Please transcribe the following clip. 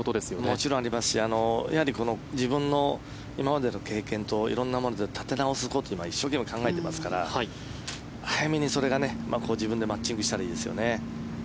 もちろん、ありますしやはり、自分の今までの経験で立て直すことを今、一生懸命考えていますから早めにそれが自分でマッチングしたらいいですよね。